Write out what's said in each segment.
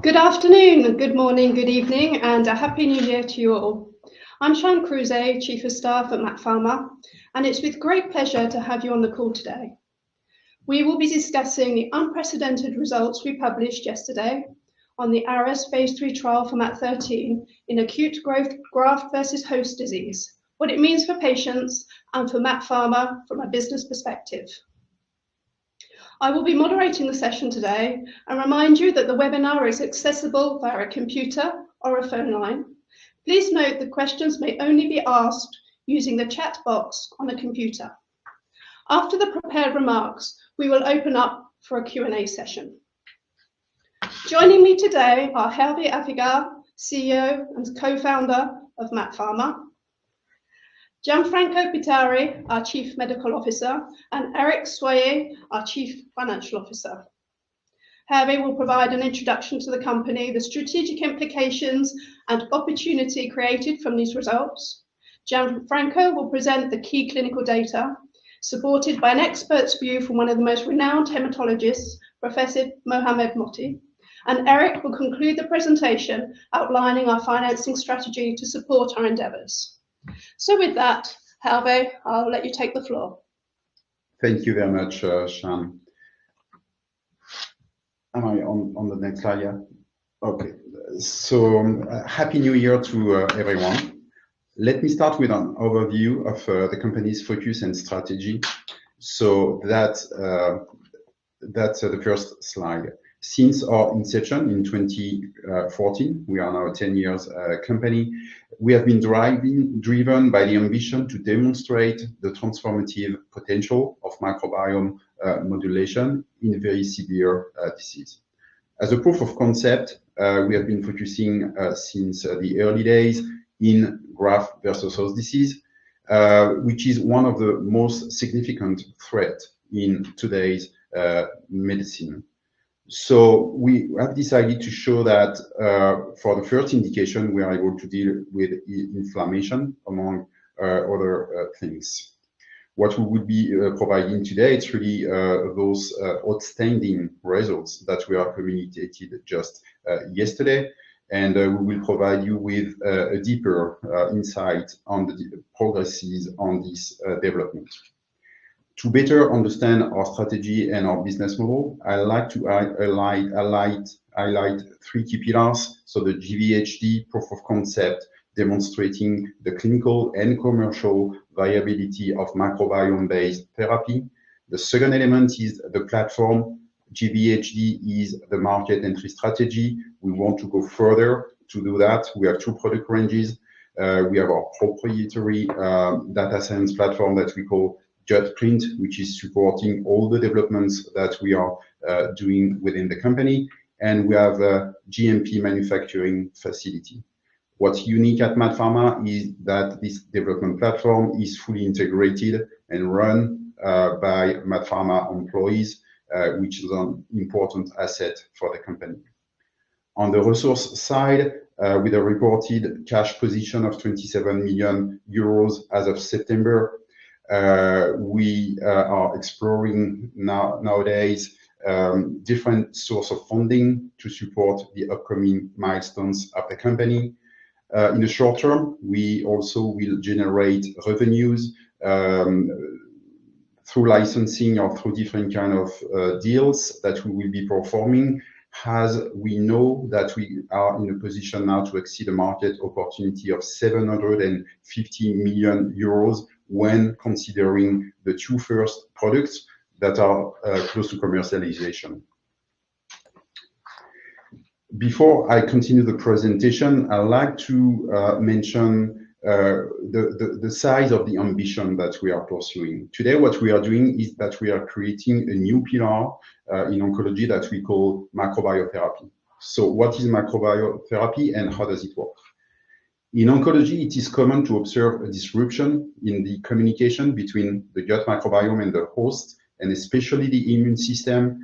Good afternoon, good morning, good evening, and a Happy New Year to you all. I'm Siân Crouzet, Chief of Staff at MaaT Pharma, and it's with great pleasure to have you on the call today. We will be discussing the unprecedented results we published yesterday on the ARES Phase 3 trial for MaaT Pharma in acute graft-versus-host disease, what it means for patients and for MaaT Pharma from a business perspective. I will be moderating the session today and remind you that the webinar is accessible via a computer or a phone line. Please note the questions may only be asked using the chat box on the computer. After the prepared remarks, we will open up for a Q&A session. Joining me today are Hervé Affagard, CEO and co-founder of MaaT Pharma; Gianfranco Pittari, our Chief Medical Officer; and Eric Soyer, our Chief Financial Officer. Hervé will provide an introduction to the company, the strategic implications, and opportunity created from these results. Gianfranco will present the key clinical data, supported by an expert's view from one of the most renowned hematologists, Professor Mohamad Mohty, and Eric will conclude the presentation outlining our financing strategy to support our endeavors. So with that, Hervé, I'll let you take the floor. Thank you very much, Siân. Am I on the next slide yet? Okay, so Happy New Year to everyone. Let me start with an overview of the company's focus and strategy. So that's the first slide. Since our inception in 2014, we are now a 10-year company. We have been driven by the ambition to demonstrate the transformative potential of microbiome modulation in very severe disease. As a proof of concept, we have been focusing since the early days in graft-versus-host disease, which is one of the most significant threats in today's medicine. So we have decided to show that for the first indication, we are able to deal with inflammation among other things. What we would be providing today is really those outstanding results that we are communicating just yesterday, and we will provide you with a deeper insight on the progress on this development. To better understand our strategy and our business model, I'd like to highlight three key pillars, so the GVHD proof of concept demonstrating the clinical and commercial viability of microbiome-based therapy. The second element is the platform. GVHD is the market entry strategy. We want to go further to do that. We have two product ranges. We have our proprietary data science platform that we call gutPrint, which is supporting all the developments that we are doing within the company, and we have a GMP manufacturing facility. What's unique at MaaT Pharma is that this development platform is fully integrated and run by MaaT Pharma employees, which is an important asset for the company. On the resource side, with a reported cash position of 27 million euros as of September, we are exploring nowadays different sources of funding to support the upcoming milestones of the company. In the short term, we also will generate revenues through licensing or through different kinds of deals that we will be performing, as we know that we are in a position now to exceed the market opportunity of 750 million euros when considering the two first products that are close to commercialization. Before I continue the presentation, I'd like to mention the size of the ambition that we are pursuing. Today, what we are doing is that we are creating a new pillar in oncology that we call microbiome therapy. So what is microbiome therapy and how does it work? In oncology, it is common to observe a disruption in the communication between the gut microbiome and the host, and especially the immune system,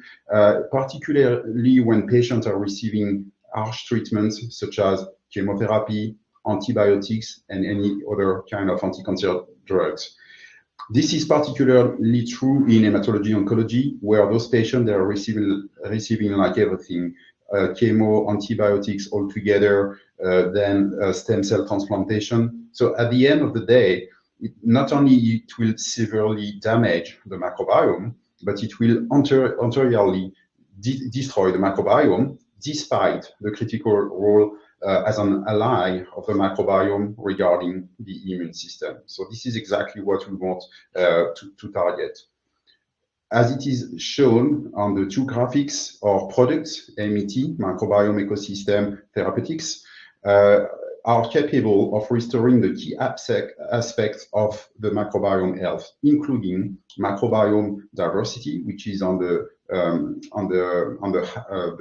particularly when patients are receiving harsh treatments such as chemotherapy, antibiotics, and any other kind of anti-cancer drugs. This is particularly true in hematology-oncology, where those patients are receiving everything: chemo, antibiotics altogether, then stem cell transplantation. So at the end of the day, not only will it severely damage the microbiome, but it will ultimately destroy the microbiome despite the critical role as an ally of the microbiome regarding the immune system. So this is exactly what we want to target. As it is shown on the two graphics, our products, MET, Microbiome Ecosystem Therapeutics, are capable of restoring the key aspects of the microbiome health, including microbiome diversity, which is on the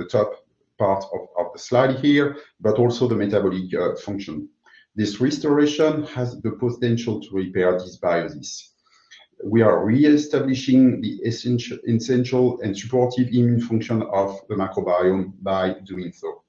top part of the slide here, but also the metabolic function. This restoration has the potential to repair these dysbiosis. We are reestablishing the essential and supportive immune function of the microbiome by doing so.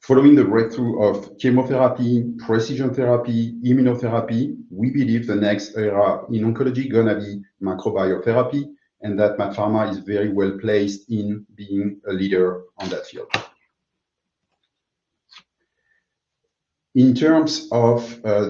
Following the breakthrough of chemotherapy, precision therapy, immunotherapy, we believe the next era in oncology is going to be microbiome therapy, and that MaaT Pharma is very well placed in being a leader on that field. In terms of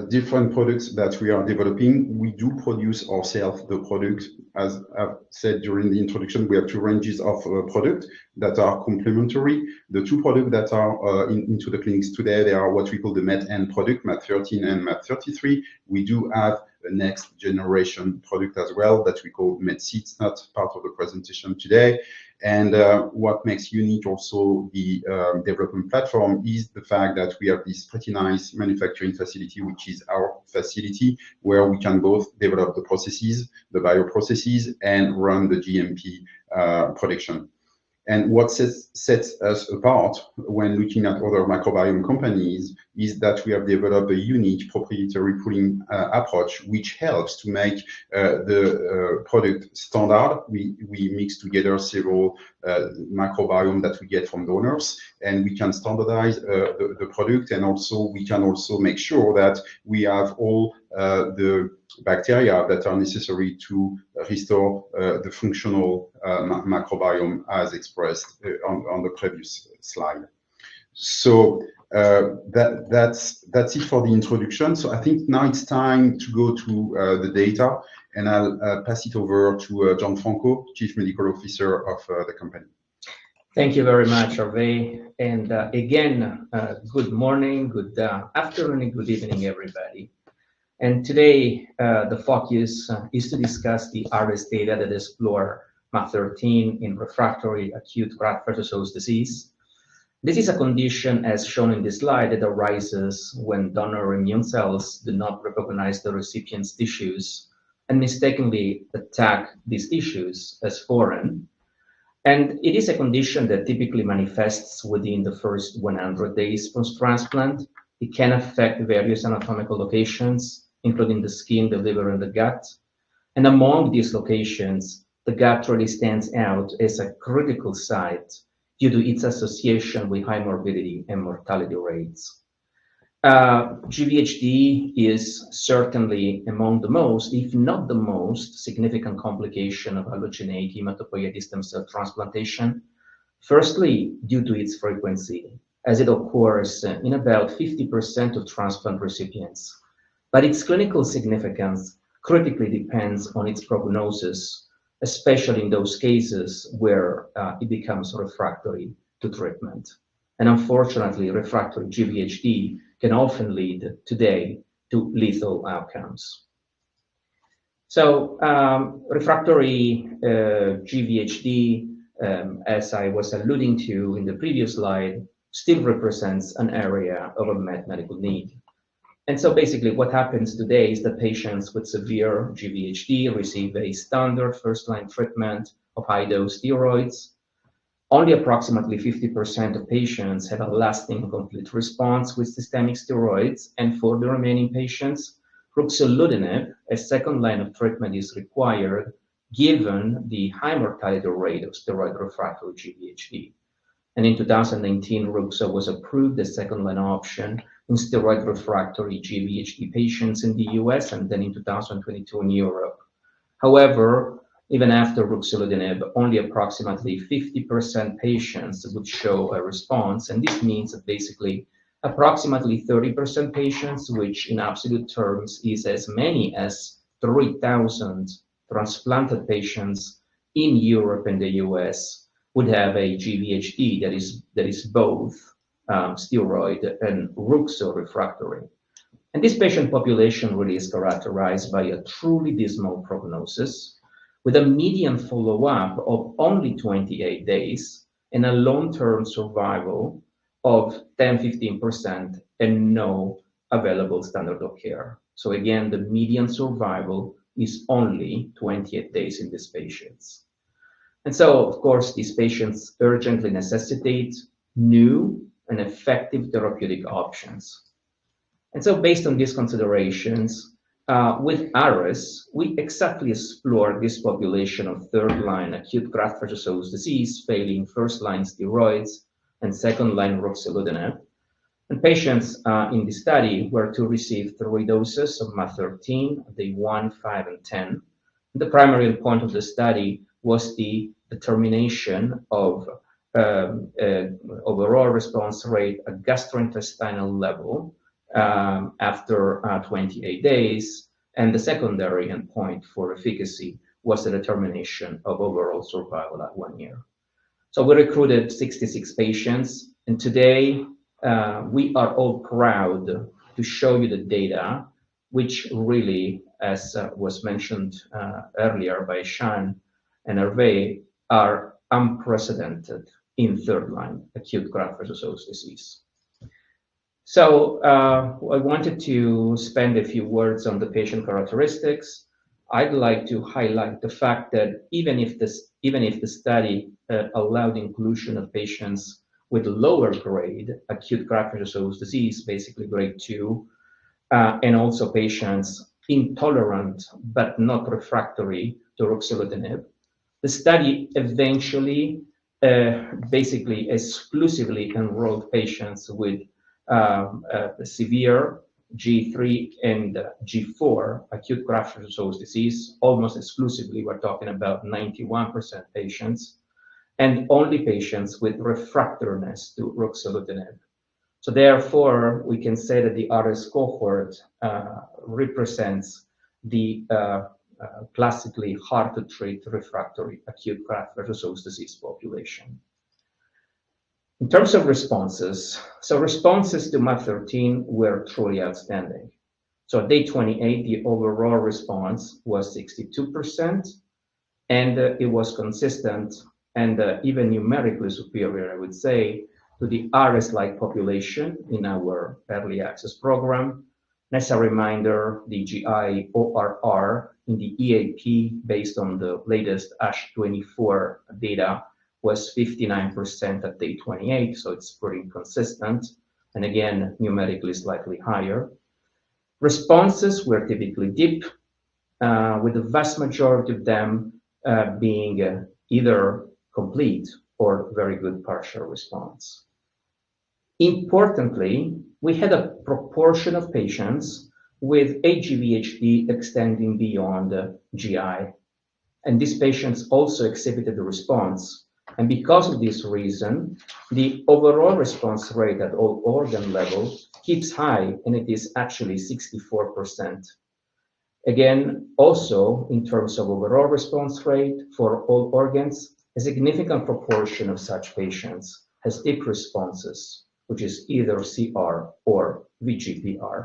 different products that we are developing, we do produce ourselves the products. As I've said during the introduction, we have two ranges of products that are complementary. The two products that are into the clinics today, they are what we call the MET product, MaaT013 and MaaT033. We do have a next generation product as well that we call MaaT Seeds, not part of the presentation today, and what makes unique also the development platform is the fact that we have this pretty nice manufacturing facility, which is our facility, where we can both develop the processes, the bioprocesses, and run the GMP production. What sets us apart when looking at other microbiome companies is that we have developed a unique proprietary pooling approach, which helps to make the product standard. We mix together several microbiomes that we get from donors, and we can standardize the product, and we can also make sure that we have all the bacteria that are necessary to restore the functional microbiome as expressed on the previous slide. That's it for the introduction. I think now it's time to go to the data, and I'll pass it over to Gianfranco, Chief Medical Officer of the company. Thank you very much, Hervé. Again, good morning, good afternoon, and good evening, everybody. Today, the focus is to discuss the ARES data that explore MaaT013 in refractory acute graft-versus-host disease. This is a condition, as shown in this slide, that arises when donor immune cells do not recognize the recipient's tissues and mistakenly attack these tissues as foreign. It is a condition that typically manifests within the first 100 days post-transplant. It can affect various anatomical locations, including the skin, the liver, and the gut. Among these locations, the gut really stands out as a critical site due to its association with high morbidity and mortality rates. GVHD is certainly among the most, if not the most, significant complication of allogeneic hematopoietic stem cell transplantation, firstly due to its frequency, as it occurs in about 50% of transplant recipients. But its clinical significance critically depends on its prognosis, especially in those cases where it becomes refractory to treatment. And unfortunately, refractory GVHD can often lead today to lethal outcomes. So refractory GVHD, as I was alluding to in the previous slide, still represents an area of a medical need. And so basically, what happens today is that patients with severe GVHD receive a standard first-line treatment of high-dose steroids. Only approximately 50% of patients have a lasting complete response with systemic steroids, and for the remaining patients, ruxolitinib, a second line of treatment, is required given the high mortality rate of steroid refractory GVHD. And in 2019, ruxo was approved as a second-line option in steroid refractory GVHD patients in the U.S., and then in 2022 in Europe. However, even after ruxolitinib, only approximately 50% of patients would show a response, and this means that basically approximately 30% of patients, which in absolute terms is as many as 3,000 transplanted patients in Europe and the US, would have a GvHD that is both steroid and ruxolitinib refractory. And this patient population really is characterized by a truly dismal prognosis, with a median follow-up of only 28 days and a long-term survival of 10%-15% and no available standard of care. So again, the median survival is only 28 days in these patients. And so, of course, these patients urgently necessitate new and effective therapeutic options. And so based on these considerations, with ARES, we exactly explored this population of third-line acute graft-versus-host disease failing first-line steroids and second-line ruxolitinib. Patients in the study were to receive three doses of MaaT013, 1, 5, and 10. The primary endpoint of the study was the determination of overall response rate at gastrointestinal level after 28 days, and the secondary endpoint for efficacy was the determination of overall survival at one year. We recruited 66 patients, and today we are all proud to show you the data, which really, as was mentioned earlier by Siân and Hervé, are unprecedented in third-line acute graft-versus-host disease. I wanted to spend a few words on the patient characteristics. I'd like to highlight the fact that even if the study allowed inclusion of patients with lower-grade acute graft-versus-host disease, basically grade 2, and also patients intolerant but not refractory to ruxolitinib, the study eventually basically exclusively enrolled patients with severe G3 and G4 acute graft-versus-host disease. Almost exclusively, we're talking about 91% patients and only patients with refractoriness to ruxolitinib. So therefore, we can say that the ARES cohort represents the classically hard-to-treat refractory acute graft-versus-host disease population. In terms of responses, so responses to MaaT013 were truly outstanding. So at day 28, the overall response was 62%, and it was consistent and even numerically superior, I would say, to the ARES-like population in our early access program. As a reminder, the GI-ORR in the EAP, based on the latest ASH24 data, was 59% at day 28, so it's pretty consistent, and again, numerically slightly higher. Responses were typically deep, with the vast majority of them being either complete or very good partial response. Importantly, we had a proportion of patients with a GVHD extending beyond GI, and these patients also exhibited the response. Because of this reason, the overall response rate at all organ levels keeps high, and it is actually 64%. Again, also in terms of overall response rate for all organs, a significant proportion of such patients has deep responses, which is either CR or VGPR.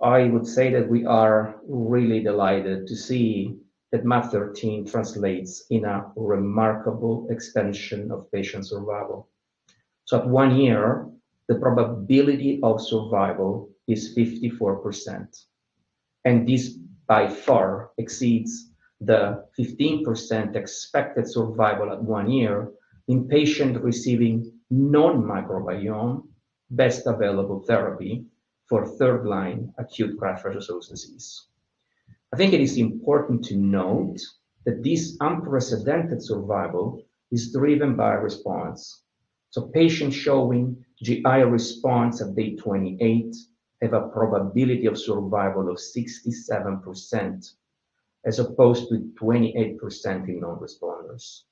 I would say that we are really delighted to see that MaaT013 translates in a remarkable extension of patient survival. At one year, the probability of survival is 54%, and this by far exceeds the 15% expected survival at one year in patients receiving non-microbiome best available therapy for third-line acute graft-versus-host disease. I think it is important to note that this unprecedented survival is driven by response. So patients showing GI response at day 28 have a probability of survival of 67% as opposed to 28% in non-responders.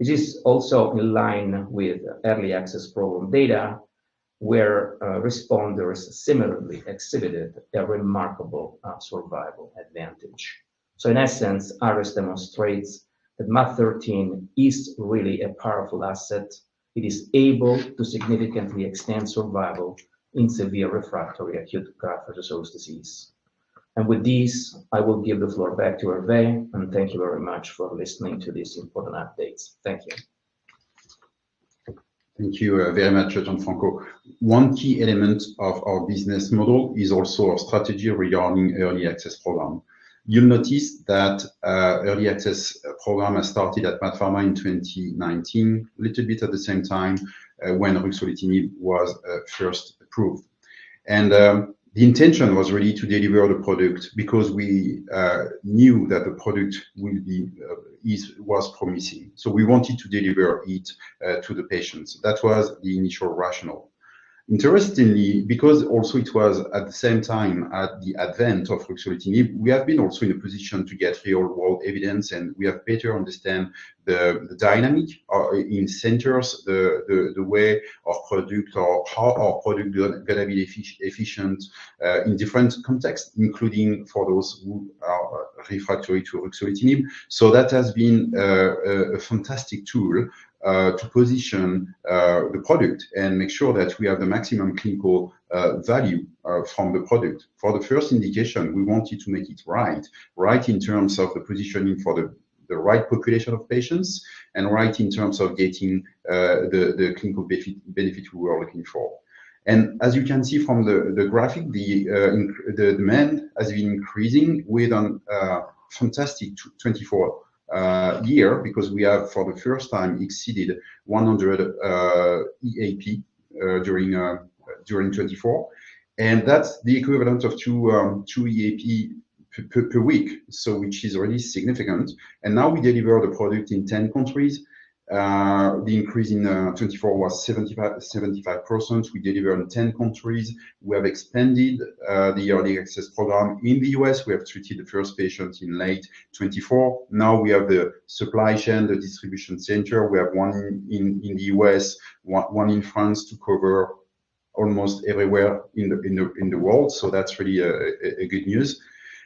This is also in line with early access program data, where responders similarly exhibited a remarkable survival advantage. So in essence, ARES demonstrates that MaaT013 is really a powerful asset. It is able to significantly extend survival in severe refractory acute graft-versus-host disease. And with these, I will give the floor back to Hervé, and thank you very much for listening to these important updates. Thank you. Thank you very much, Gianfranco. One key element of our business model is also our strategy regarding early access program. You'll notice that early access program has started at MaaT013 in 2019, a little bit at the same time when ruxolitinib was first approved, and the intention was really to deliver the product because we knew that the product was promising, so we wanted to deliver it to the patients. That was the initial rationale. Interestingly, because also it was at the same time at the advent of ruxolitinib, we have been also in a position to get real-world evidence, and we have better understand the dynamic in centers, the way our product or how our product will be efficient in different contexts, including for those who are refractory to ruxolitinib. So that has been a fantastic tool to position the product and make sure that we have the maximum clinical value from the product. For the first indication, we wanted to make it right, right in terms of the positioning for the right population of patients and right in terms of getting the clinical benefit we were looking for. And as you can see from the graphic, the demand has been increasing with a fantastic 2024 because we have for the first time exceeded 100 EAP during 2024, and that's the equivalent of two EAP per week, which is really significant. And now we deliver the product in 10 countries. The increase in 2024 was 75%. We deliver in 10 countries. We have expanded the early access program in the U.S. We have treated the first patients in late 2024. Now we have the supply chain, the distribution center. We have one in the U.S., one in France to cover almost everywhere in the world. So that's really good news.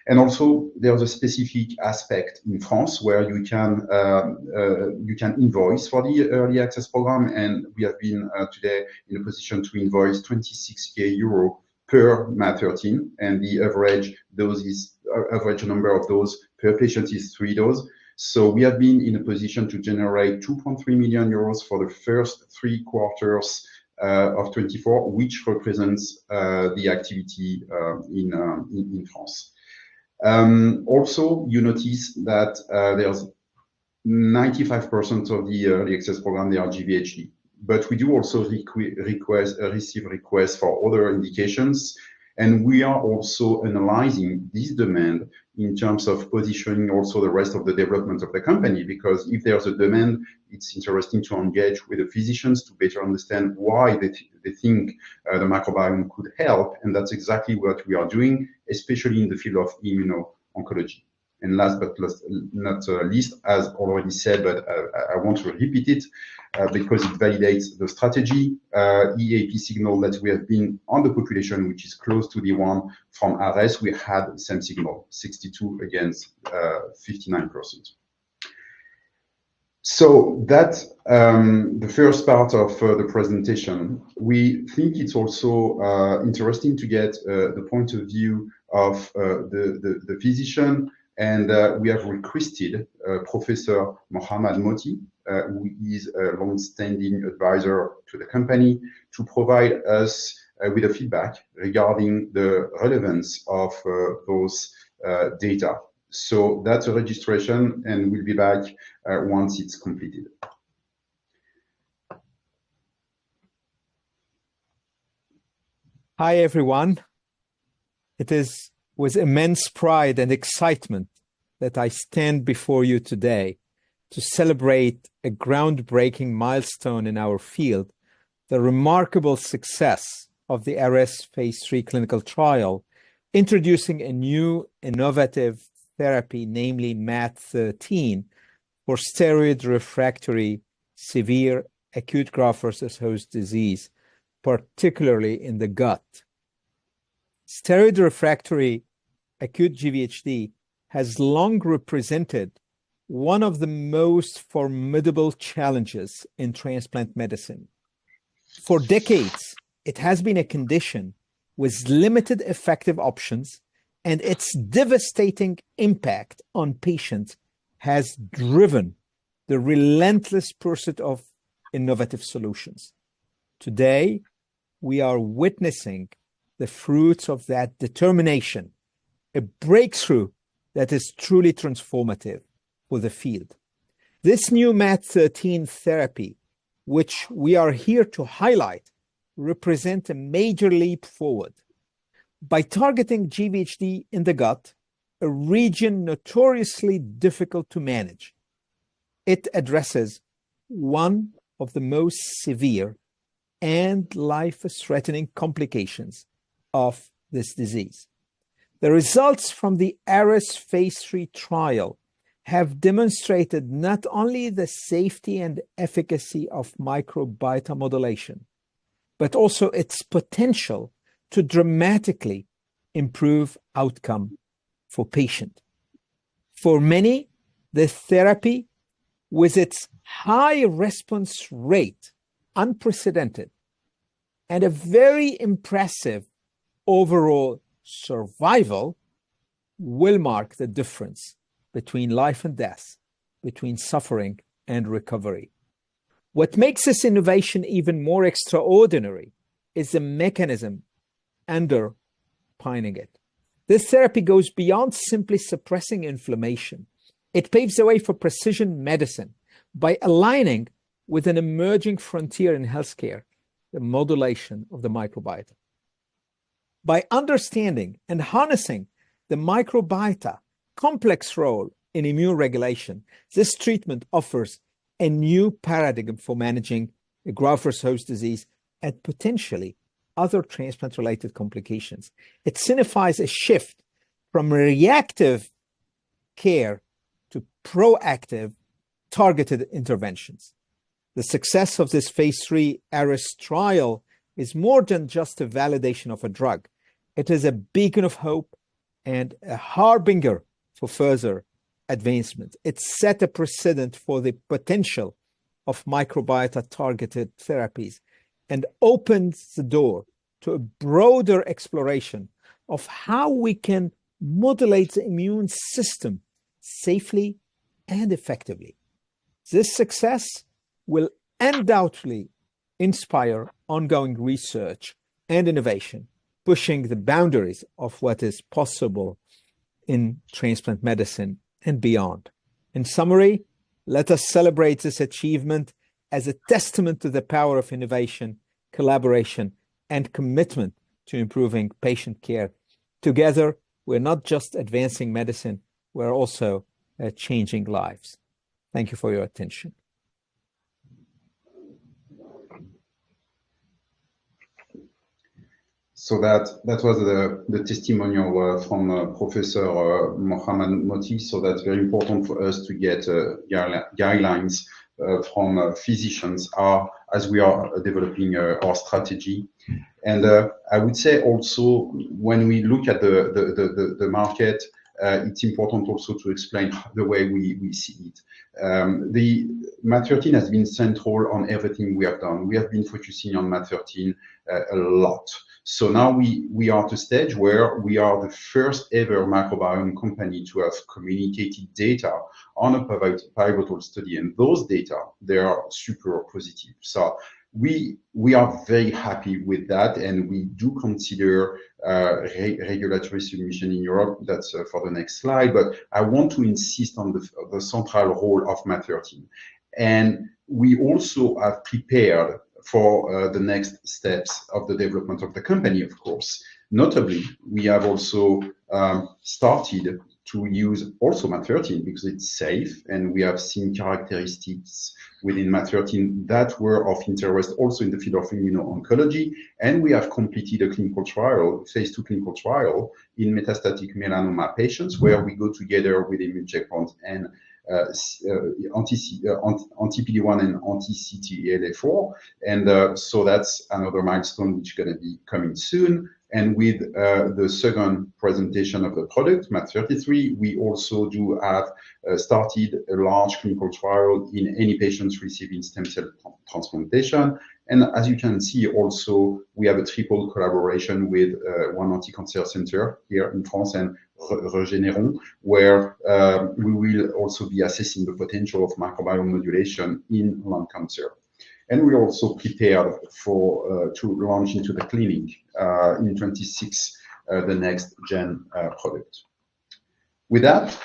And also, there's a specific aspect in France where you can invoice for the early access program, and we have been today in a position to invoice 26,000 euro per MaaT013 and the average number of doses per patient is three doses. So we have been in a position to generate 2.3 million euros for the first three quarters of 2024, which represents the activity in France. Also, you notice that there's 95% of the early access program, they are GVHD. But we do also receive requests for other indications, and we are also analyzing this demand in terms of positioning also the rest of the development of the company because if there's a demand, it's interesting to engage with the physicians to better understand why they think the microbiome could help, and that's exactly what we are doing, especially in the field of immuno-oncology. And last but not least, as already said, but I want to repeat it because it validates the strategy. The EAP signal that we have seen in the population, which is close to the one from ARES, we had the same signal, 62% against 59%. So that's the first part of the presentation. We think it's also interesting to get the point of view of the physician, and we have requested Professor Mohamad Mohty, who is a longstanding advisor to the company, to provide us with feedback regarding the relevance of those data. So that's a registration, and we'll be back once it's completed. Hi everyone. It is with immense pride and excitement that I stand before you today to celebrate a groundbreaking milestone in our field, the remarkable success of the ARES phase 3 clinical trial introducing a new innovative therapy, namely MaaT013 for steroid-refractory severe acute graft-versus-host disease, particularly in the gut. Steroid-refractory acute GVHD has long represented one of the most formidable challenges in transplant medicine. For decades, it has been a condition with limited effective options, and its devastating impact on patients has driven the relentless pursuit of innovative solutions. Today, we are witnessing the fruits of that determination, a breakthrough that is truly transformative for the field. This new MaaT013 therapy, which we are here to highlight, represents a major leap forward by targeting GVHD in the gut, a region notoriously difficult to manage. It addresses one of the most severe and life-threatening complications of this disease. The results from the ARES phase 3 trial have demonstrated not only the safety and efficacy of microbiota modulation, but also its potential to dramatically improve outcome for patients. For many, this therapy, with its high response rate, unprecedented, and a very impressive overall survival, will mark the difference between life and death, between suffering and recovery. What makes this innovation even more extraordinary is the mechanism underpinning it. This therapy goes beyond simply suppressing inflammation. It paves the way for precision medicine by aligning with an emerging frontier in healthcare, the modulation of the microbiota. By understanding and harnessing the microbiota's complex role in immune regulation, this treatment offers a new paradigm for managing graft-versus-host disease and potentially other transplant-related complications. It signifies a shift from reactive care to proactive targeted interventions. The success of this phase 3 ARES trial is more than just a validation of a drug. It is a beacon of hope and a harbinger for further advancement. It set a precedent for the potential of microbiota-targeted therapies and opens the door to a broader exploration of how we can modulate the immune system safely and effectively. This success will undoubtedly inspire ongoing research and innovation, pushing the boundaries of what is possible in transplant medicine and beyond. In summary, let us celebrate this achievement as a testament to the power of innovation, collaboration, and commitment to improving patient care. Together, we're not just advancing medicine, we're also changing lives. Thank you for your attention. So that was the testimonial from Professor Mohamad Mohty. So that's very important for us to get guidelines from physicians as we are developing our strategy. And I would say also when we look at the market, it's important also to explain the way we see it. The MaaT013 has been central on everything we have done. We have been focusing on MaaT013 a lot. So now we are at a stage where we are the first-ever microbiome company to have communicated data on a pivotal study, and those data, they are super positive. So we are very happy with that, and we do consider regulatory submission in Europe. That's for the next slide, but I want to insist on the central role of MaaT013. And we also have prepared for the next steps of the development of the company, of course. Notably, we have also started to use MaaT013 because it's safe, and we have seen characteristics within MaaT013 that were of interest also in the field of immuno-oncology. And we have completed a clinical trial, phase 2 clinical trial in metastatic melanoma patients where we go together with immune checkpoint inhibitor and anti-PD-1 and anti-CTLA-4. And so that's another milestone which is going to be coming soon. And with the second presentation of the product, MaaT033, we also do have started a large clinical trial in any patients receiving stem cell transplantation. And as you can see, also we have a triple collaboration with one anti-cancer center here in France and Regeneron, where we will also be assessing the potential of microbiome modulation in lung cancer. And we also prepared to launch into the clinic in 2026 the next-gen product. With that,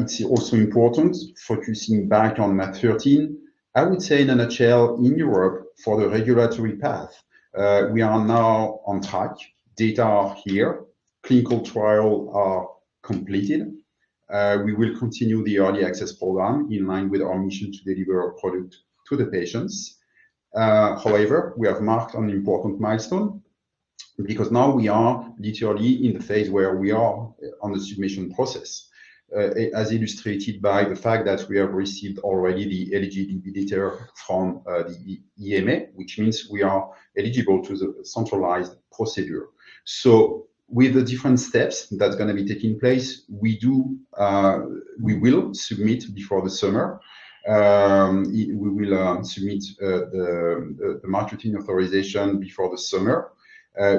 it's also important focusing back on MaaT013. I would say in a nutshell in Europe for the regulatory path, we are now on track. Data are here. Clinical trials are completed. We will continue the early access program in line with our mission to deliver our product to the patients. However, we have marked an important milestone because now we are literally in the phase where we are on the submission process, as illustrated by the fact that we have received already the eligibility letter from the EMA, which means we are eligible to the centralized procedure. So with the different steps that's going to be taking place, we will submit before the summer. We will submit the marketing authorization before the summer,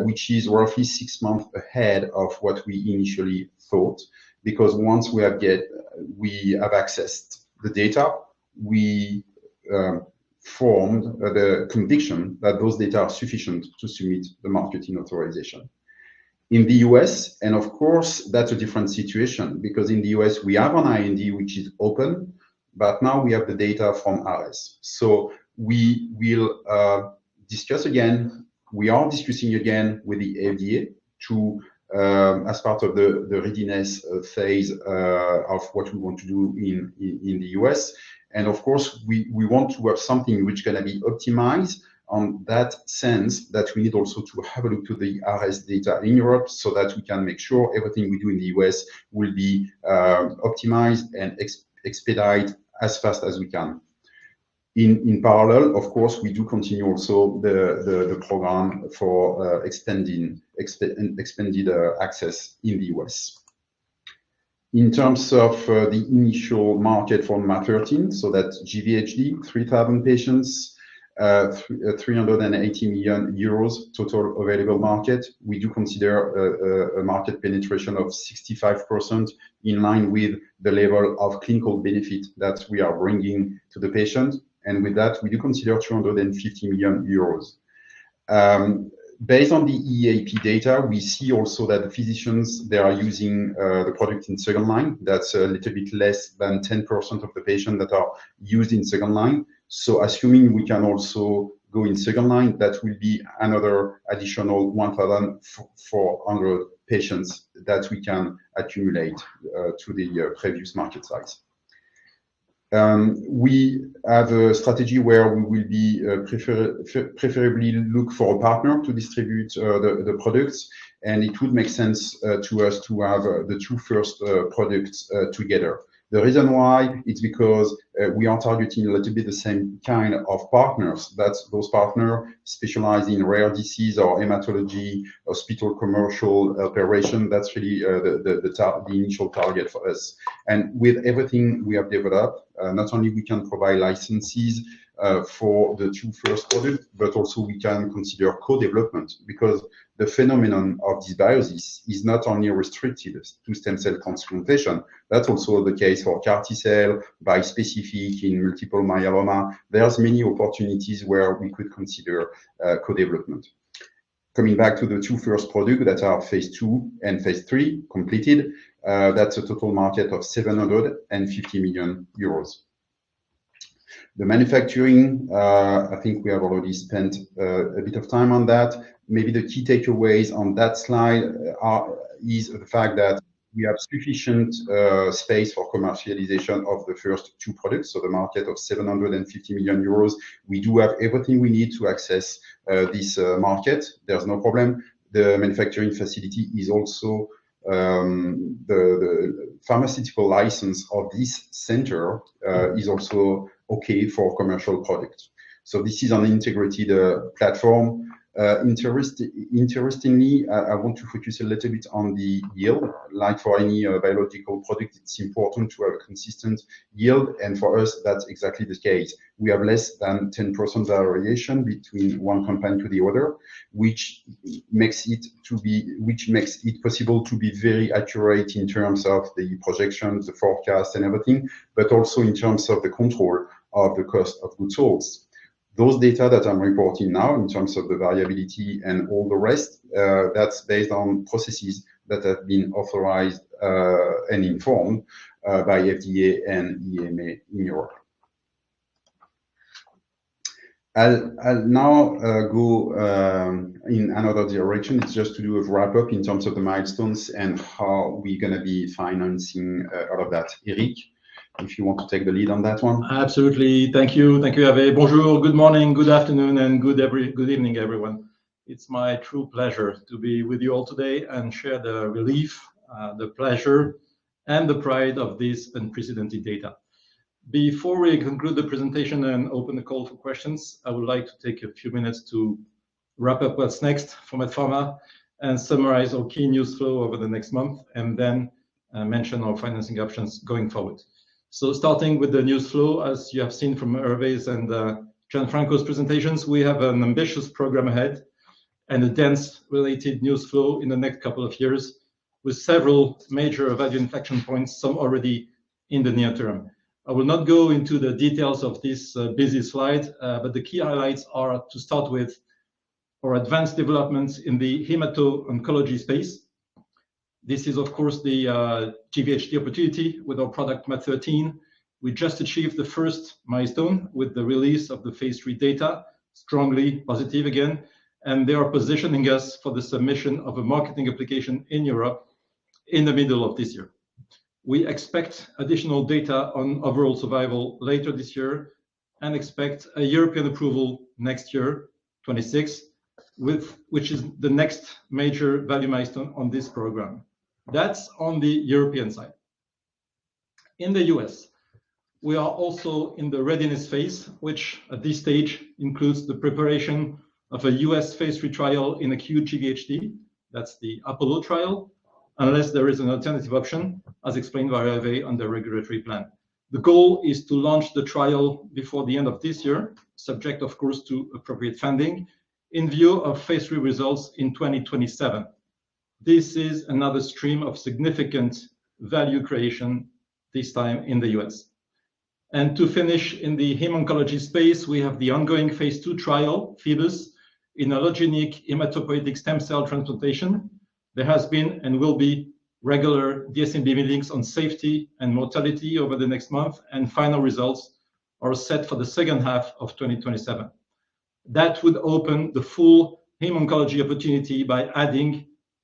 which is roughly six months ahead of what we initially thought because once we have accessed the data, we formed the conviction that those data are sufficient to submit the marketing authorization. In the U.S., and of course, that's a different situation because in the U.S., we have an IND which is open, but now we have the data from ARES, so we will discuss again. We are discussing again with the FDA as part of the readiness phase of what we want to do in the U.S., and of course, we want to have something which is going to be optimized on that sense that we need also to have a look to the ARES data in Europe so that we can make sure everything we do in the U.S. will be optimized and expedited as fast as we can. In parallel, of course, we do continue also the program for expanded access in the U.S. In terms of the initial market for MaaT013, so that's GVHD, 3,000 patients, 380 million euros total available market. We do consider a market penetration of 65% in line with the level of clinical benefit that we are bringing to the patient. And with that, we do consider 250 million euros. Based on the EAP data, we see also that the physicians, they are using the product in second line. That's a little bit less than 10% of the patients that are used in second line. So assuming we can also go in second line, that will be another additional 1,400 patients that we can accumulate to the previous market size. We have a strategy where we will preferably look for a partner to distribute the products, and it would make sense to us to have the two first products together. The reason why is because we are targeting a little bit the same kind of partners. Those partners specialize in rare disease or hematology, hospital commercial operation. That's really the initial target for us. And with everything we have developed, not only can we provide licenses for the two first products, but also we can consider co-development because the phenomenon of these dysbiosis is not only restricted to stem cell transplantation. That's also the case for CAR T cell, bispecific in multiple myeloma. There are many opportunities where we could consider co-development. Coming back to the two first products that are phase 2 and phase 3 completed, that's a total market of 750 million euros. The manufacturing, I think we have already spent a bit of time on that. Maybe the key takeaways on that slide are the fact that we have sufficient space for commercialization of the first two products. So the market of 750 million euros, we do have everything we need to access this market. There's no problem. The manufacturing facility is also the pharmaceutical license of this center is also okay for commercial products. So this is an integrated platform. Interestingly, I want to focus a little bit on the yield. Like for any biological product, it's important to have a consistent yield. And for us, that's exactly the case. We have less than 10% variation between one company to the other, which makes it possible to be very accurate in terms of the projections, the forecast, and everything, but also in terms of the control of the cost of goods sold. Those data that I'm reporting now in terms of the variability and all the rest, that's based on processes that have been authorized and informed by FDA and EMA in Europe. I'll now go in another direction. It's just to do a wrap-up in terms of the milestones and how we're going to be financing all of that. Eric, if you want to take the lead on that one. Absolutely. Thank you. Thank you, Hervé. Bonjour, good morning, good afternoon, and good evening, everyone. It's my true pleasure to be with you all today and share the relief, the pleasure, and the pride of this unprecedented data. Before we conclude the presentation and open the call for questions, I would like to take a few minutes to wrap up what's next from MaaT Pharma and summarize our key news flow over the next month, and then mention our financing options going forward. So starting with the news flow, as you have seen from Hervé's and Gianfranco's presentations, we have an ambitious program ahead and a dense related news flow in the next couple of years with several major value inflection points, some already in the near term. I will not go into the details of this busy slide, but the key highlights are to start with our advanced developments in the hematology-oncology space. This is, of course, the GVHD opportunity with our product MaaT013. We just achieved the first milestone with the release of the phase 3 data, strongly positive again, and they are positioning us for the submission of a marketing application in Europe in the middle of this year. We expect additional data on overall survival later this year and expect a European approval next year, 2026, which is the next major value milestone on this program. That's on the European side. In the U.S., we are also in the readiness phase, which at this stage includes the preparation of a U.S. phase 3 trial in acute GVHD. That's the APOLLO trial, unless there is an alternative option, as explained by Hervé on the regulatory plan. The goal is to launch the trial before the end of this year, subject, of course, to appropriate funding in view of phase 3 results in 2027. This is another stream of significant value creation this time in the U.S. And to finish in the hematology space, we have the ongoing phase 2 trial, PHOEBUS, in allogeneic hematopoietic stem cell transplantation. There has been and will be regular DSMB meetings on safety and mortality over the next month, and final results are set for the second half of 2027. That would open the full hematology opportunity by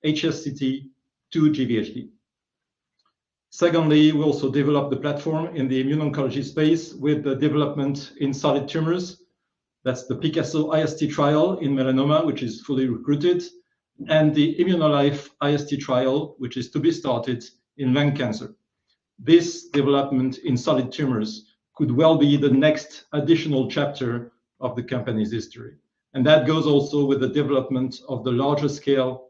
adding HSCT to GVHD. Secondly, we also develop the platform in the immuno-oncology space with the development in solid tumors. That's the PICASSO IST trial in melanoma, which is fully recruited, and the ImmunoLife IST trial, which is to be started in lung cancer. This development in solid tumors could well be the next additional chapter of the company's history, and that goes also with the development of the larger scale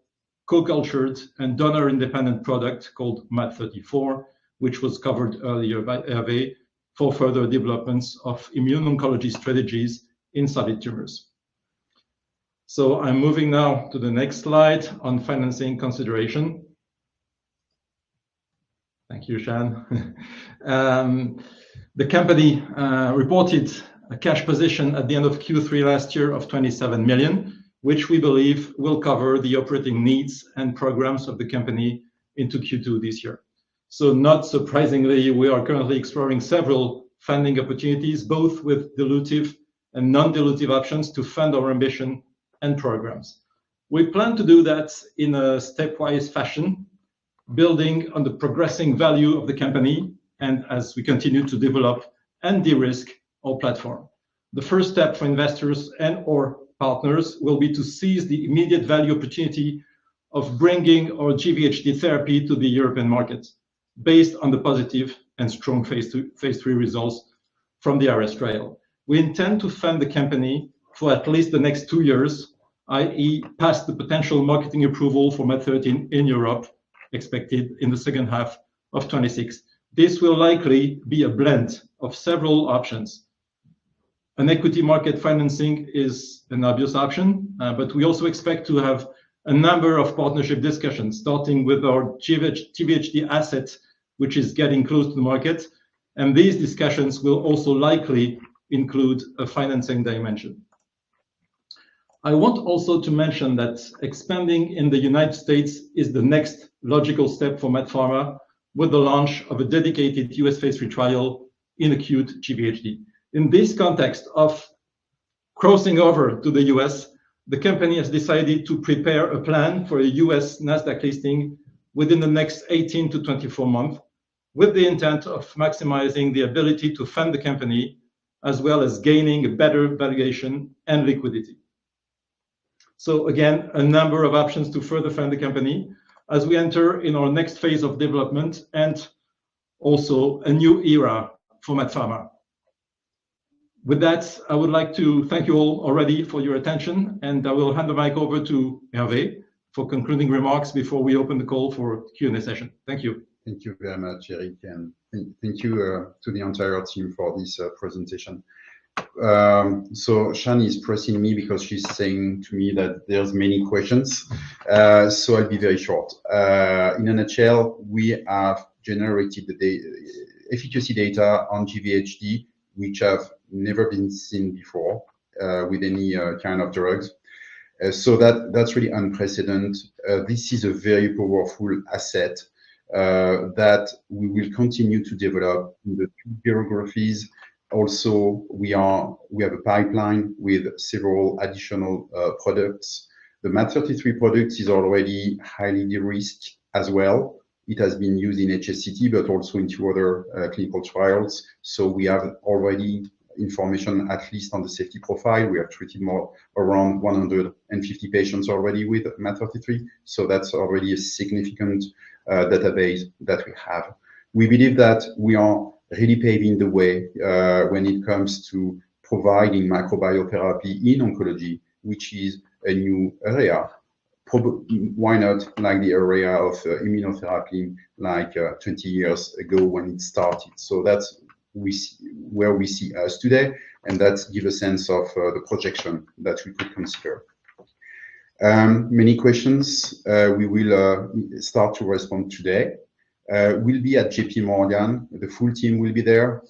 co-cultured and donor-independent product called MaaT034, which was covered earlier by Hervé for further developments of immuno-oncology strategies in solid tumors. I'm moving now to the next slide on financing consideration. Thank you, Siân. The company reported a cash position at the end of Q3 last year of 27 million, which we believe will cover the operating needs and programs of the company into Q2 this year, so not surprisingly, we are currently exploring several funding opportunities, both with dilutive and non-dilutive options to fund our ambition and programs. We plan to do that in a stepwise fashion, building on the progressing value of the company and as we continue to develop and de-risk our platform. The first step for investors and/or partners will be to seize the immediate value opportunity of bringing our GVHD therapy to the European market based on the positive and strong phase 3 results from the ARES trial. We intend to fund the company for at least the next two years, i.e., past the potential marketing approval for MaaT013 in Europe expected in the second half of 2026. This will likely be a blend of several options. An equity market financing is an obvious option, but we also expect to have a number of partnership discussions starting with our GVHD asset, which is getting close to the market, and these discussions will also likely include a financing dimension. I want also to mention that expanding in the United States is the next logical step for MaaT Pharma with the launch of a dedicated U.S. phase 3 trial in acute GVHD. In this context of crossing over to the U.S., the company has decided to prepare a plan for a U.S. Nasdaq listing within the next 18-24 months with the intent of maximizing the ability to fund the company as well as gaining better valuation and liquidity. So again, a number of options to further fund the company as we enter in our next phase of development and also a new era for MaaT Pharma. With that, I would like to thank you all already for your attention, and I will hand the mic over to Hervé for concluding remarks before we open the call for Q&A session. Thank you. Thank you very much, Eric, and thank you to the entire team for this presentation, so Siân is pressing me because she's saying to me that there are many questions, so I'll be very short. In a nutshell, we have generated efficacy data on GVHD, which have never been seen before with any kind of drugs, so that's really unprecedented. This is a very powerful asset that we will continue to develop in the two geographies. Also, we have a pipeline with several additional products. The MaaT033 product is already highly de-risked as well. It has been used in HSCT, but also in two other clinical trials, so we have already information at least on the safety profile. We have treated around 150 patients already with MaaT033, so that's already a significant database that we have. We believe that we are really paving the way when it comes to providing microbiotherapy in oncology, which is a new area. Why not like the area of immunotherapy like 20 years ago when it started, so that's where we see us today, and that gives a sense of the projection that we could consider. Many questions. We will start to respond today. We'll be at JPMorgan. The full team will be there.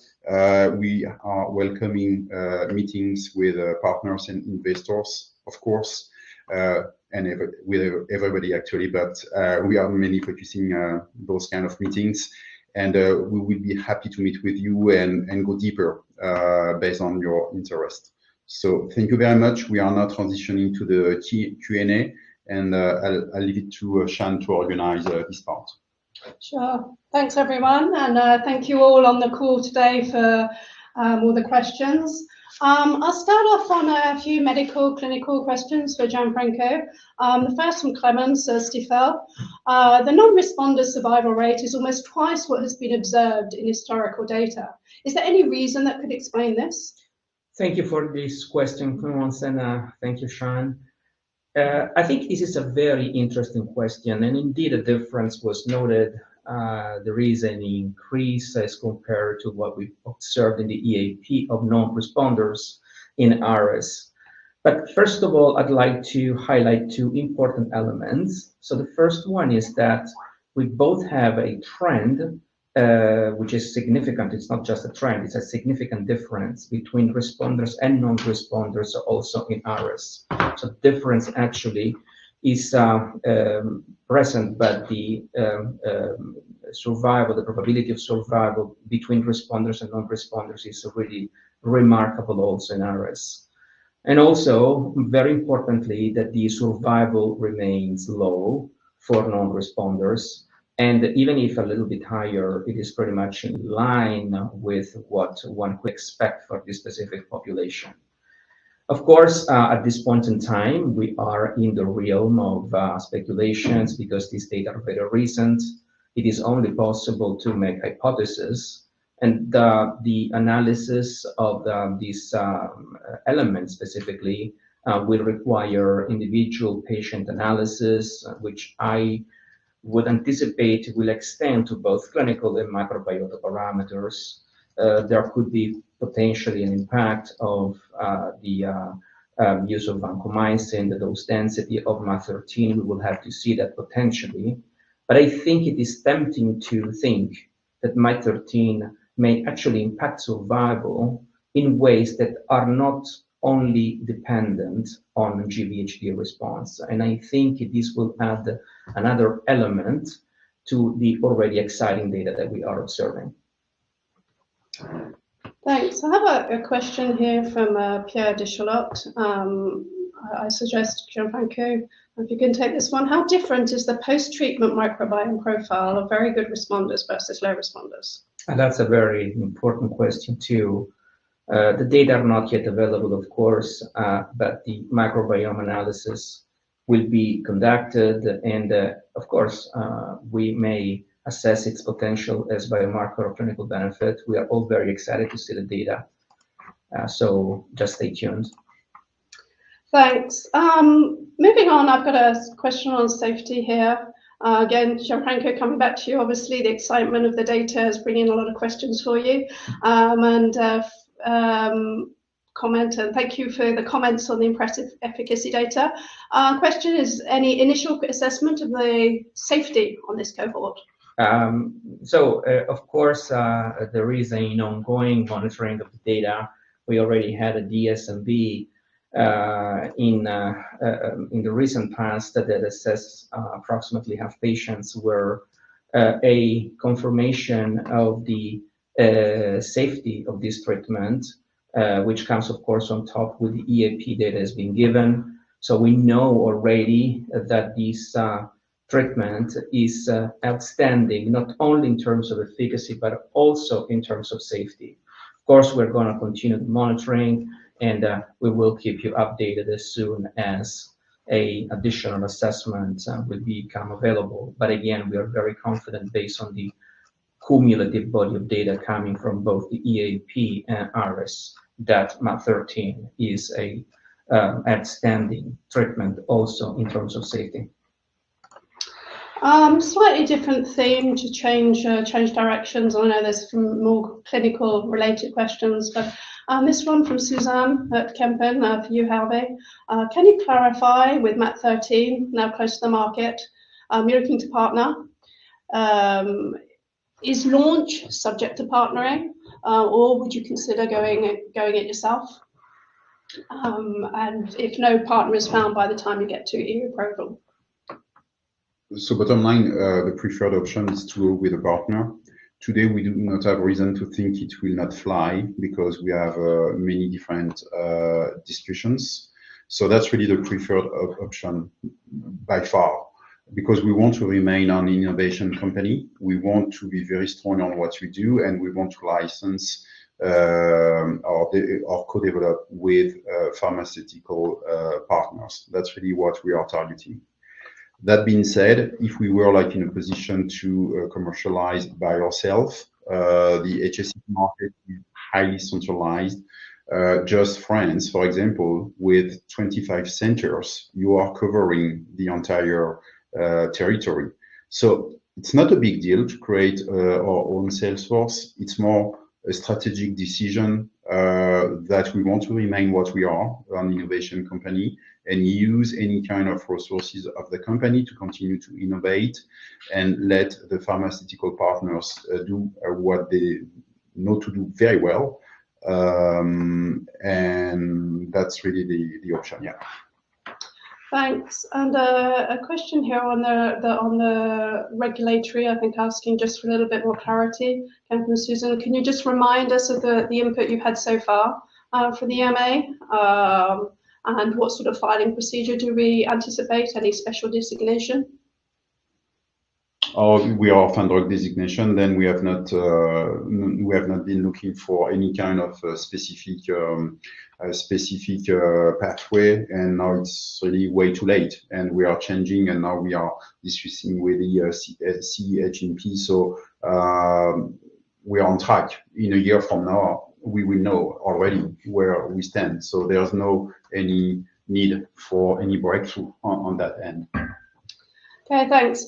We are welcoming meetings with partners and investors, of course, and with everybody actually, but we are mainly focusing on those kinds of meetings, and we will be happy to meet with you and go deeper based on your interest, so thank you very much. We are now transitioning to the Q&A, and I'll leave it to Siân to organize this part. Sure. Thanks, everyone, and thank you all on the call today for all the questions. I'll start off on a few medical clinical questions for Gianfranco. The first from Clémence Stifel. The non-responders' survival rate is almost twice what has been observed in historical data. Is there any reason that could explain this? Thank you for this question, Clémence, and thank you, Siân. I think this is a very interesting question, and indeed a difference was noted. There is an increase as compared to what we observed in the EAP of non-responders in ARES. But first of all, I'd like to highlight two important elements. So the first one is that we both have a trend which is significant. It's not just a trend. It's a significant difference between responders and non-responders also in ARES. So the difference actually is present, but the survival, the probability of survival between responders and non-responders is really remarkable also in ARES. And also, very importantly, that the survival remains low for non-responders. And even if a little bit higher, it is pretty much in line with what one could expect for this specific population. Of course, at this point in time, we are in the realm of speculations because these data are very recent. It is only possible to make hypotheses, and the analysis of these elements specifically will require individual patient analysis, which I would anticipate will extend to both clinical and microbiota parameters. There could be potentially an impact of the use of vancomycin, the dose density of MaaT013. We will have to see that potentially, but I think it is tempting to think that MaaT013 may actually impact survival in ways that are not only dependent on GVHD response, and I think this will add another element to the already exciting data that we are observing. Thanks. I have a question here from Pierre Deschelot. I suggest Gianfranco, if you can take this one. How different is the post-treatment microbiome profile of very good responders versus low responders? That's a very important question too. The data are not yet available, of course, but the microbiome analysis will be conducted. Of course, we may assess its potential as biomarker of clinical benefit. We are all very excited to see the data. Just stay tuned. Thanks. Moving on, I've got a question on safety here. Again, Gianfranco, coming back to you, obviously, the excitement of the data is bringing a lot of questions for you and comments. And thank you for the comments on the impressive efficacy data. Question is, any initial assessment of the safety on this cohort? Of course, there is an ongoing monitoring of the data. We already had a DSMB in the recent past that assessed approximately half patients where a confirmation of the safety of this treatment, which comes, of course, on top with the EAP that has been given. So we know already that this treatment is outstanding, not only in terms of efficacy, but also in terms of safety. Of course, we're going to continue monitoring, and we will keep you updated as soon as an additional assessment would become available. But again, we are very confident based on the cumulative body of data coming from both the EAP and ARES that MaaT013 is an outstanding treatment also in terms of safety. Slightly different theme to change directions. I know there's some more clinical-related questions, but this one from Suzanne at Kempen. For you, Hervé, can you clarify with MaaT013 now close to the market, you're looking to partner, is launch subject to partnering, or would you consider going it yourself? And if no partner is found by the time you get to EU approval? So bottom line, the preferred option is to go with a partner. Today, we do not have reason to think it will not fly because we have many different discussions. So that's really the preferred option by far because we want to remain an innovation company. We want to be very strong on what we do, and we want to license or co-develop with pharmaceutical partners. That's really what we are targeting. That being said, if we were in a position to commercialize by ourselves, the HSCT market is highly centralized. Just France, for example, with 25 centers, you are covering the entire territory. So it's not a big deal to create our own sales force. It's more a strategic decision that we want to remain what we are, an innovation company, and use any kind of resources of the company to continue to innovate and let the pharmaceutical partners do what they know to do very well, and that's really the option, yeah. Thanks. And a question here on the regulatory, I think asking just for a little bit more clarity. And from Suzanne, can you just remind us of the input you've had so far for the EMA? And what sort of filing procedure do we anticipate? Any special designation? We are funded with designation. Then we have not been looking for any kind of specific pathway, and now it's really way too late. We are changing, and now we are discussing with the CHMP, so we are on track. In a year from now, we will know already where we stand, so there's no need for any breakthrough on that end. Okay, thanks.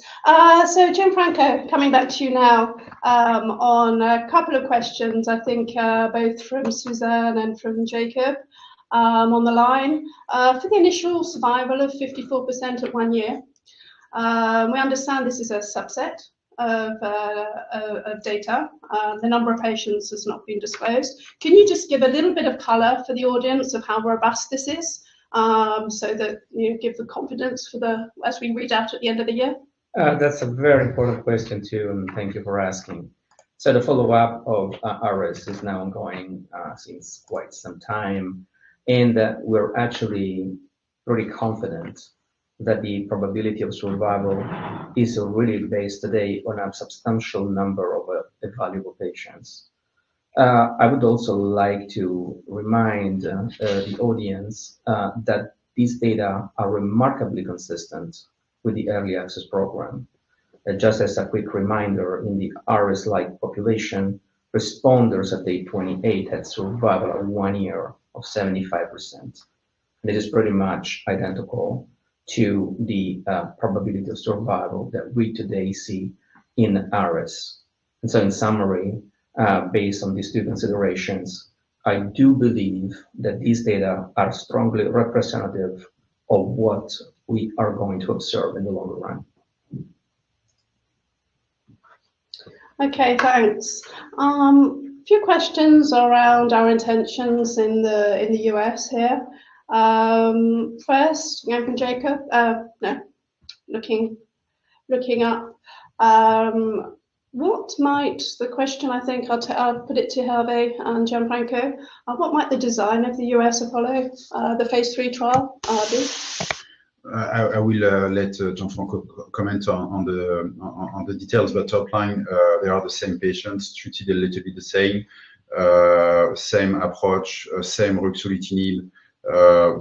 So Gianfranco, coming back to you now on a couple of questions, I think both from Suzanne and from Jacob on the line. For the initial survival of 54% at one year, we understand this is a subset of data. The number of patients has not been disclosed. Can you just give a little bit of color for the audience of how robust this is so that you give the confidence for the data as we read out at the end of the year? That's a very important question too, and thank you for asking. The follow-up of ARES is now ongoing since quite some time. We're actually pretty confident that the probability of survival is really based today on a substantial number of valuable patients. I would also like to remind the audience that these data are remarkably consistent with the early access program. Just as a quick reminder, in the ARES-like population, responders at day 28 had survival of one year of 75%. It is pretty much identical to the probability of survival that we today see in ARES. In summary, based on these two considerations, I do believe that these data are strongly representative of what we are going to observe in the long run. Okay, thanks. A few questions around our intentions in the U.S. here. First, Jacob. What might the question, I think I'll put it to Hervé and Gianfranco. What might the design of the US follow-on phase 3 trial be? I will let Gianfranco comment on the details. But top line, they are the same patients, treated a little bit the same, same approach, same role to retain.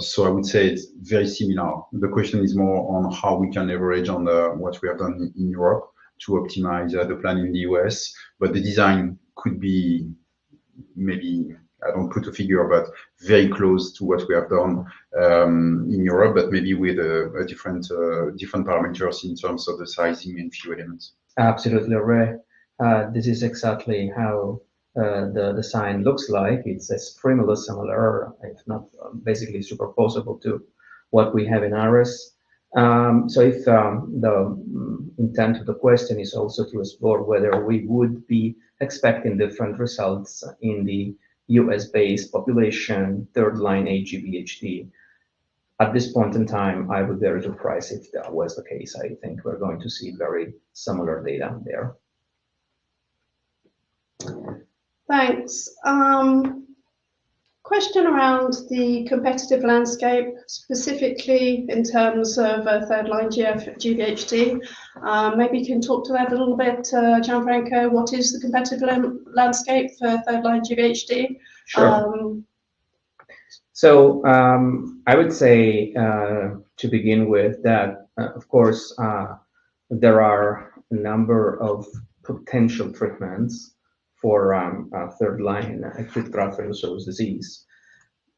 So I would say it's very similar. The question is more on how we can leverage on what we have done in Europe to optimize the plan in the US. But the design could be maybe, I don't put a figure, but very close to what we have done in Europe, but maybe with different parameters in terms of the sizing and fueling. Absolutely, Hervé. This is exactly how the design looks like. It's a scribble of similar, if not basically superposable to what we have in ARES. So if the intent of the question is also to explore whether we would be expecting different results in the US-based population, third-line aGvHD, at this point in time, I would be very surprised if that was the case. I think we're going to see very similar data there. Thanks. Question around the competitive landscape, specifically in terms of third-line GvHD. Maybe you can talk to that a little bit, Gianfranco. What is the competitive landscape for third-line GvHD? Sure. So I would say to begin with that, of course, there are a number of potential treatments for third-line acute graft-versus-host disease.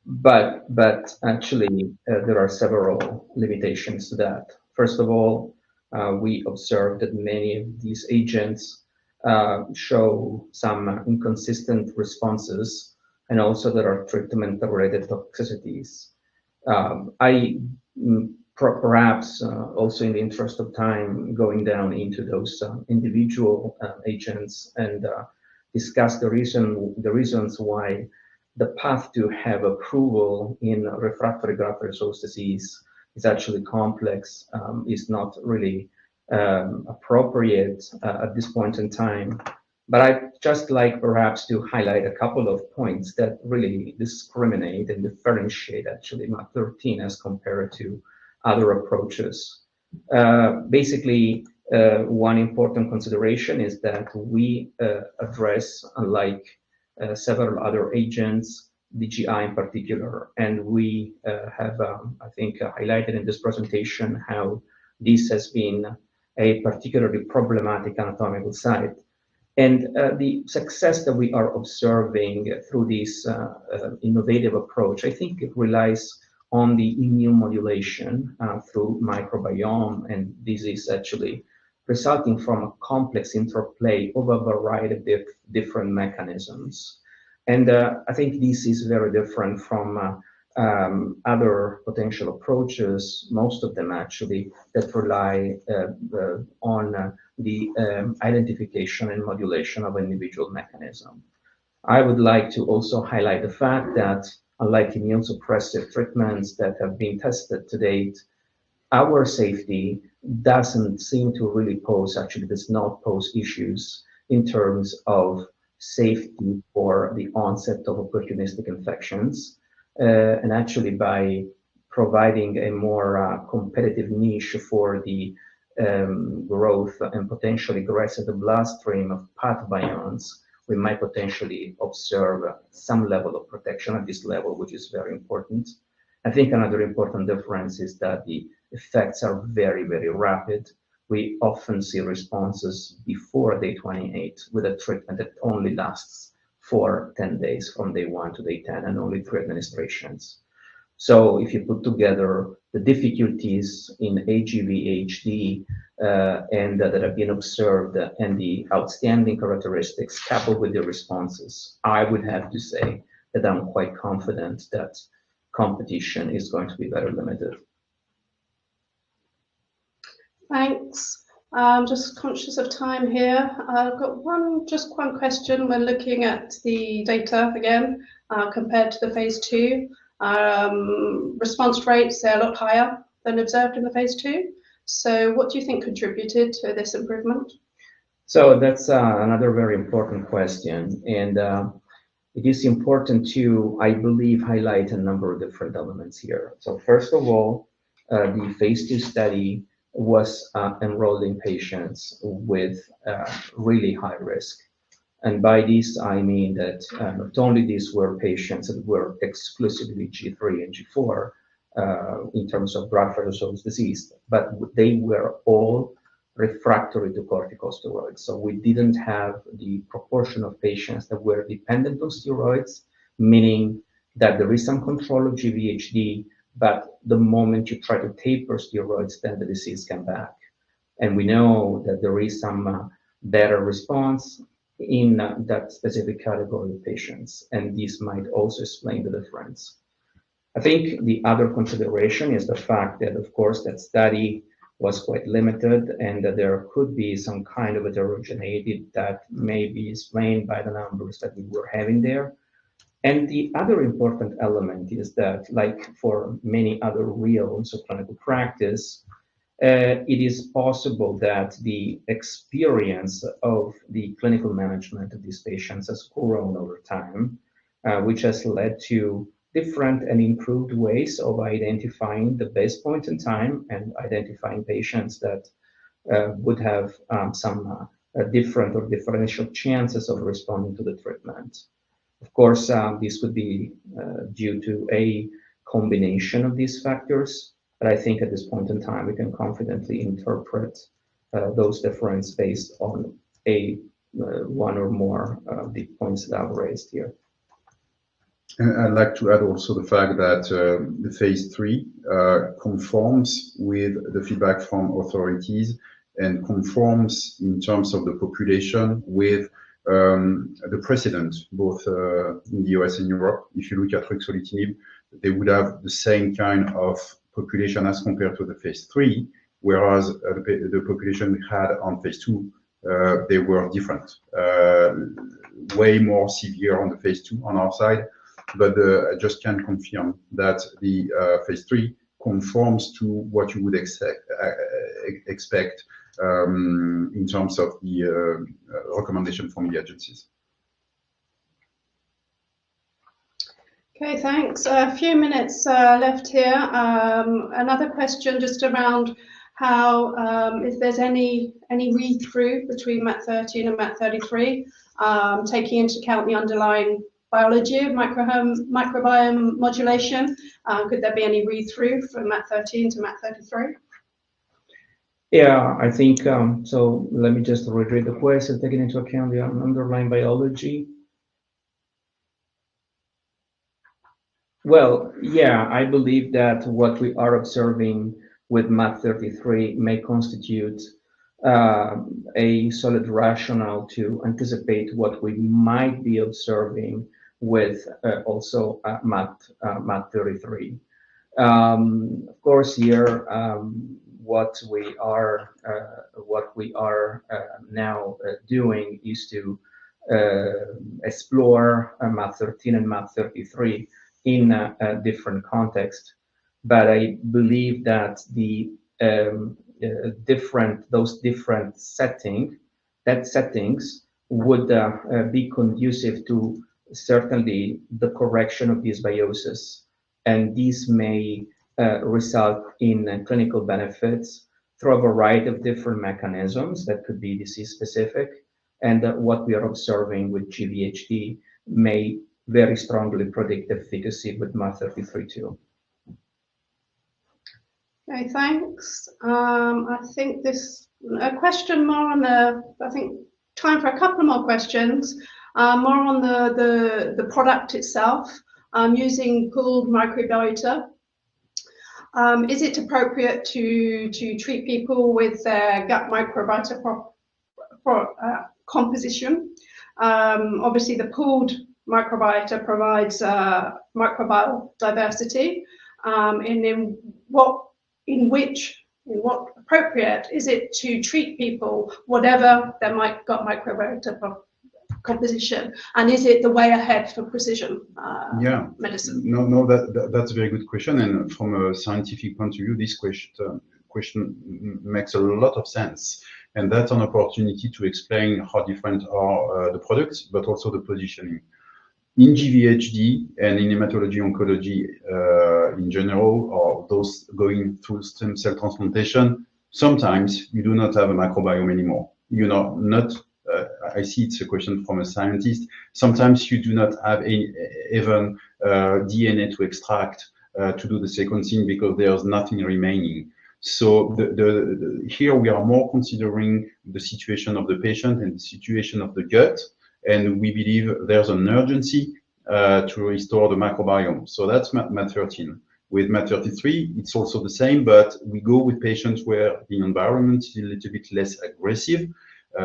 But actually, there are several limitations to that. First of all, we observed that many of these agents show some inconsistent responses and also there are treatment-related toxicities. I perhaps also in the interest of time going down into those individual agents and discuss the reasons why the path to have approval in refractory graft-versus-host disease is actually complex, is not really appropriate at this point in time. But I'd just like perhaps to highlight a couple of points that really discriminate and differentiate actually MaaT013 as compared to other approaches. Basically, one important consideration is that we address, unlike several other agents, the GI in particular. We have, I think, highlighted in this presentation how this has been a particularly problematic anatomical site. The success that we are observing through this innovative approach, I think it relies on the immune modulation through microbiome. This is actually resulting from a complex interplay of a variety of different mechanisms. I think this is very different from other potential approaches, most of them actually, that rely on the identification and modulation of individual mechanism. I would like to also highlight the fact that unlike immunosuppressive treatments that have been tested to date, our safety doesn't seem to really pose, actually does not pose, issues in terms of safety or the onset of opportunistic infections. And actually, by providing a more competitive niche for the growth and potentially aggressive blast rate of pathobionts, we might potentially observe some level of protection at this level, which is very important. I think another important difference is that the effects are very, very rapid. We often see responses before day 28 with a treatment that only lasts for 10 days from day one to day 10 and only three administrations. So if you put together the difficulties in aGvHD and that have been observed and the outstanding characteristics coupled with the responses, I would have to say that I'm quite confident that competition is going to be very limited. Thanks. I'm just conscious of time here. I've got just one question. We're looking at the data again compared to the phase two. Response rates are a lot higher than observed in the phase two. So what do you think contributed to this improvement? So that's another very important question. And it is important to, I believe, highlight a number of different elements here. So first of all, the phase two study was enrolled in patients with really high risk. And by this, I mean that not only these were patients that were exclusively G3 and G4 in terms of graft-versus-host disease, but they were all refractory to corticosteroids. So we didn't have the proportion of patients that were dependent on steroids, meaning that there is some control of GvHD, but the moment you try to taper steroids, then the disease comes back. And we know that there is some better response in that specific category of patients. And this might also explain the difference. I think the other consideration is the fact that, of course, that study was quite limited and that there could be some kind of heterogeneity that may be explained by the numbers that we were having there, and the other important element is that, like for many other real-world clinical practice, it is possible that the experience of the clinical management of these patients has grown over time, which has led to different and improved ways of identifying the best point in time and identifying patients that would have some different or differential chances of responding to the treatment. Of course, this could be due to a combination of these factors, but I think at this point in time, we can confidently interpret those differences based on one or more points that I've raised here. I'd like to add also the fact that the phase 3 conforms with the feedback from authorities and conforms in terms of the population with the precedent, both in the U.S. and Europe. If you look at Ruxolitinib, they would have the same kind of population as compared to the phase 3, whereas the population we had on phase 2, they were different, way more severe on the phase 2 on our side. But I just can confirm that the phase 3 conforms to what you would expect in terms of the recommendation from the agencies. Okay, thanks. A few minutes left here. Another question just around how, if there's any read-through between MaaT013 and MaaT033, taking into account the underlying biology of microbiome modulation, could there be any read-through from MaaT013 to MaaT033? Yeah, I think so. Let me just read the question, taking into account the underlying biology. Yeah, I believe that what we are observing with MaaT033 may constitute a solid rationale to anticipate what we might be observing with also MaaT033. Of course, here, what we are now doing is to explore MaaT013 and MaaT033 in a different context. But I believe that those different settings would be conducive to certainly the correction of these dysbioses. And these may result in clinical benefits through a variety of different mechanisms that could be disease-specific. And what we are observing with GvHD may very strongly predict efficacy with MaaT033 too. Okay, thanks. I think it's time for a couple more questions, more on the product itself using pooled microbiota. Is it appropriate to treat people with their gut microbiota composition? Obviously, the pooled microbiota provides microbial diversity. And then how appropriate is it to treat people, whatever their gut microbiota composition? And is it the way ahead for precision medicine? Yeah. No, that's a very good question. And from a scientific point of view, this question makes a lot of sense. And that's an opportunity to explain how different are the products, but also the positioning. In GvHD and in hematology-oncology in general, or those going through stem cell transplantation, sometimes you do not have a microbiome anymore. I see it's a question from a scientist. Sometimes you do not have even DNA to extract to do the sequencing because there's nothing remaining. So here we are more considering the situation of the patient and the situation of the gut. And we believe there's an urgency to restore the microbiome. So that's MaaT013. With MaaT033, it's also the same, but we go with patients where the environment is a little bit less aggressive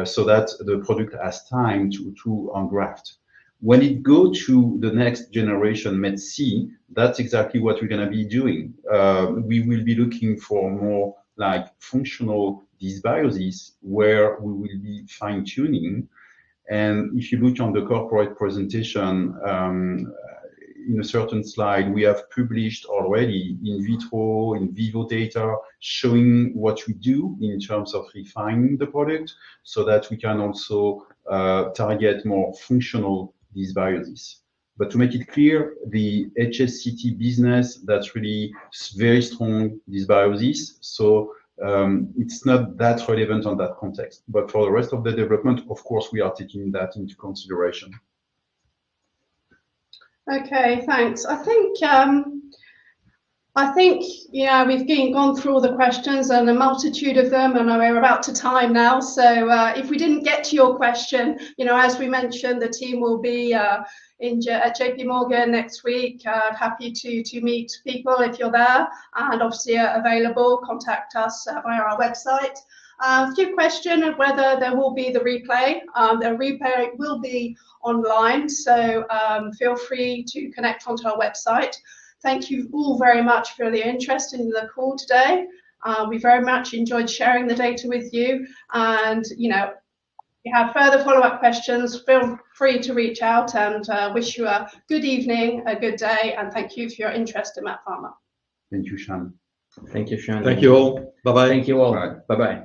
so that the product has time to graft. When it goes to the next generation MaaT003, that's exactly what we're going to be doing. We will be looking for more functional dysbioses where we will be fine-tuning, and if you look on the corporate presentation, in a certain slide, we have published already in vitro in vivo data showing what we do in terms of refining the product so that we can also target more functional dysbioses. But to make it clear, the HSCT business, that's really very strong dysbioses, so it's not that relevant on that context. But for the rest of the development, of course, we are taking that into consideration. Okay, thanks. I think we've gone through all the questions and a multitude of them, and we're out of time now. So if we didn't get to your question, as we mentioned, the team will be at JPMorgan next week. Happy to meet people if you're there and obviously available, contact us via our website. A few questions about whether there will be the replay. The replay will be online. So feel free to connect on to our website. Thank you all very much for the interest in the call today. We very much enjoyed sharing the data with you. And if you have further follow-up questions, feel free to reach out. And wish you a good evening, a good day, and thank you for your interest in MaaT Pharma. Thank you, Siân. Thank you, Siân. Thank you all. Bye-bye. Thank you all. All right. Bye-bye.